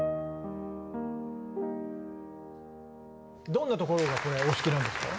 どんなところがこれお好きなんですか？